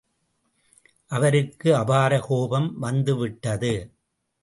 அவருக்கு அபார கோபம் வந்துவிட்டது.